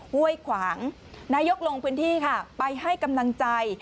ห้วยขวางนายกลงพื้นที่ค่ะไปให้กำลังใจ